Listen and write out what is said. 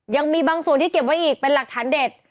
ยังมีบางส่วนที่เก็บไว้อีกเป็นหลักฐานเด็ด